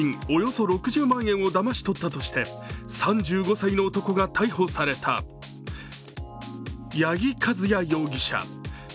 およそ６０万円をだまし取ったとして３５歳の男が逮捕され矢木和也容疑者